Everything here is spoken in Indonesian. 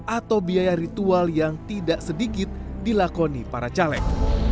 atau biaya ritual yang tidak sedikit dilakoni para caleg